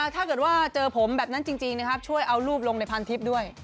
ถ้าเกิดว่าจะผมแบบนั้นจริงช่วยเอารูปลงในพาร์งทริปด้วย